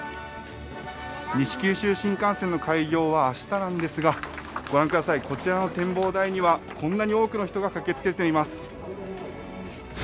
西九州新幹線の開業は明日なんんですがご覧ください、こちらの展望台にはこんなに多くの人が駆けつけています。